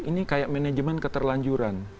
ini kayak manajemen keterlanjuran